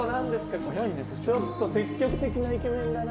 ちょっと積極的なイケメンだな。